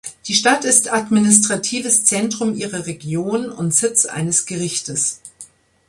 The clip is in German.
Die Stadt ist administratives Zentrum ihrer Region und Sitz eines Gerichtes.